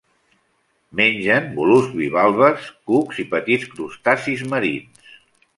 Mengen mol·luscs bivalves, cucs i petits crustacis marins.